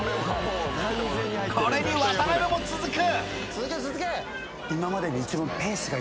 これに渡辺も続く！